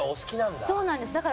そうなんです。